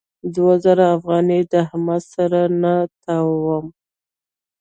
دوه زره افغانۍ د احمد له سره نه تاووم.